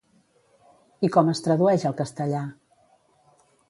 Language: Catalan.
I com es tradueix al castellà?